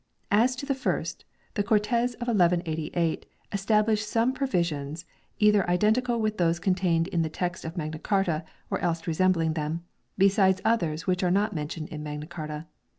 As to the first, the Cortes of 1188 establish some provisions either identical with those contained in the text of Magna Carta or else resembling them, 2 besides others which are not mentioned in Magna Carta.